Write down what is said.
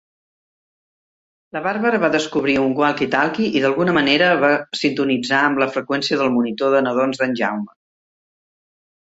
La Bàrbara va descobrir un "walkie-talkie" i d'alguna manera va sintonitzar amb la freqüència del monitor de nadons d'en Jaume.